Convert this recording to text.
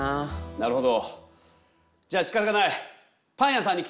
なるほど。